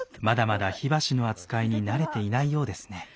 まだまだ火箸の扱いに慣れていないようですね。